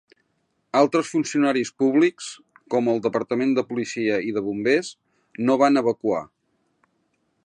Altres funcionaris públics, com el departament de policia i de bombers, no van evacuar.